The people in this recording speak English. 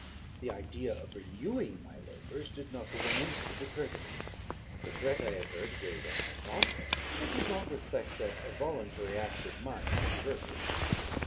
The idea of renewing my labours did not for one instant occur to me; the threat I had heard weighed on my thoughts, but I did not reflect that a voluntary act of mine could avert it.